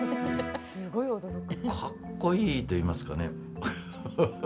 かっこいいといいますかね。